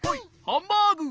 ハンバーグ。